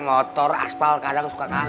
udah sekarang aku makan